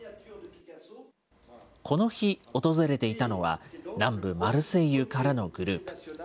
この日、訪れていたのは、南部マルセイユからのグループ。